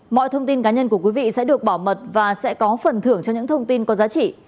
mọi thông tin cá nhân của quý vị sẽ được bảo mật và sẽ có phần thưởng cho những thông tin có giá trị